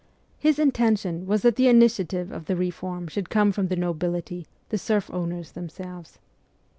His intention was that the initiative of the reform should come from the nobility, the serf owners themselves.